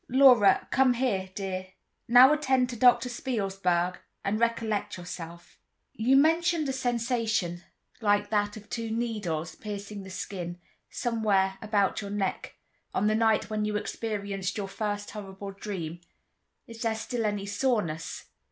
Laura, come here, dear; now attend to Doctor Spielsberg, and recollect yourself." "You mentioned a sensation like that of two needles piercing the skin, somewhere about your neck, on the night when you experienced your first horrible dream. Is there still any soreness?"